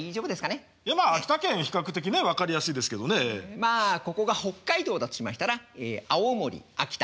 まあここが北海道だとしましたら青森秋田。